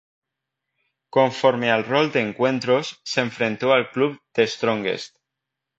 Conforme al rol de encuentros, se enfrentó al club The Strongest.